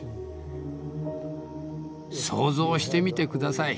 想像してみて下さい。